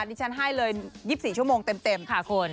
ดิฉันให้เลย๒๔ชั่วโมงเต็มค่ะคุณ